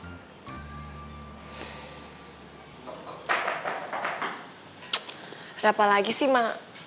ada apa lagi sih ma